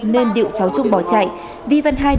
nên điệu cháu chung bỏ chạy vi văn hai